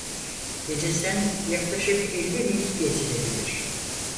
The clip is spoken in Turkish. Denizden yaklaşık elli mil gezilebilir.